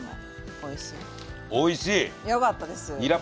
おいしい！